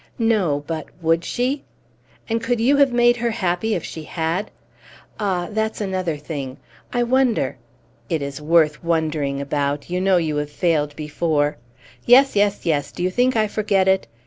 No, but would she? And could you have made her happy if she had? Ah, that's another thing ... I wonder! It is worth wondering about; you know you have failed before. Yes, yes, yes; do you think I forget it?